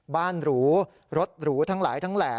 บ้านหรูฤทธิ์หรูทั้งหลายทั้งแหล่